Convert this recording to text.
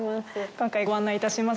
今回、ご案内いたします